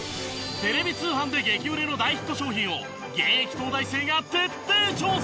テレビ通販で激売れの大ヒット商品を現役東大生が徹底調査！